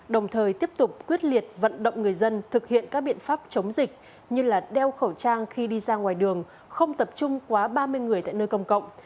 đồng thời tiếp tục quyết liệt vận động người dân thực hiện các biện pháp chống dịch như đeo khẩu trang khi đi ra ngoài đường không tập trung quá ba mươi người tại nơi công cộng